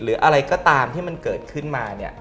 หรืออะไรก็ตามที่มันเกิดขึ้นมาเนี่ย